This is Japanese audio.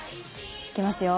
いきますよ。